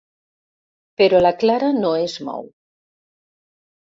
Però la Clara no es mou.